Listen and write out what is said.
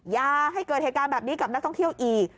อย่าให้เกิดเหตุการณ์แบบนี้กับนักท่องเที่ยวอีก